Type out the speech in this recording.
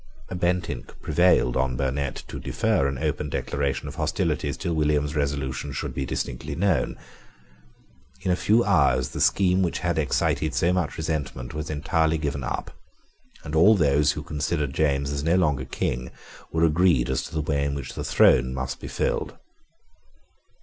Bentinck prevailed on Burnet to defer an open declaration of hostilities till William's resolution should be distinctly known. In a few hours the scheme which had excited so much resentment was entirely given up; and all those who considered James as no longer king were agreed as to the way in which the throne must be filled.